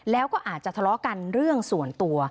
แล้วก็อาจจะทะเลาะกันเรื่องส่วนตัว